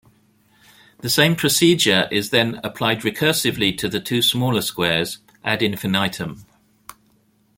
The same procedure is then applied recursively to the two smaller squares, "ad infinitum".